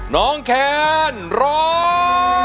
น้องแคนร้อง